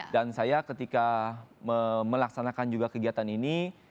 dan saya ketika melaksanakan juga kegiatan ini